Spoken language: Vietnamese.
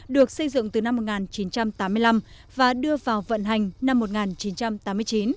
được xây dựng từ năm một nghìn chín trăm tám mươi năm và đưa vào vận hành năm một nghìn chín trăm tám mươi chín